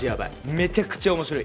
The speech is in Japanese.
めちゃくちゃ面白い。